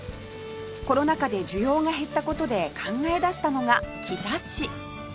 コロナ禍で需要が減った事で考え出したのが木刺